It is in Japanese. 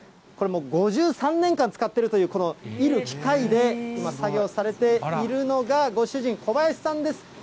これ、もう５３年間、使っているという、このいる機械で、今、作業をされているのが、ご主人、小林さんです。